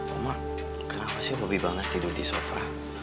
oma kenapa sih lo lebih banget tidur di sofa